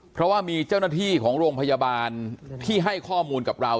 เพราะว่ามีเจ้าหน้าที่ของโรงพยาบาลที่ให้ข้อมูลกับเรา